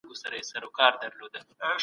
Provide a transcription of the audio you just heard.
ايا په سياست کې د زور کارول تل ګټور وي؟